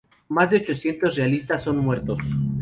Más de ochocientos realistas son muertos.